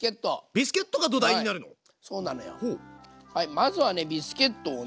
まずはねビスケットをね